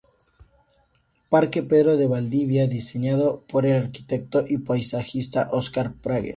Parque Pedro de Valdivia, diseñado por el arquitecto y paisajista Óscar Prager.